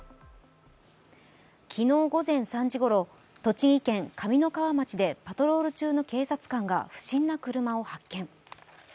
昨日午前３時ごろ、栃木県上三川町でパトロール中の警察官が不審な車を発見。